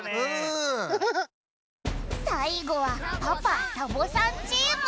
さいごはパパ＆サボさんチーム。